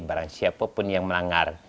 barangsiapa pun yang melanggar